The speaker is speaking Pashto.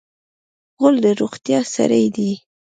غول د روغتیا سړی دی.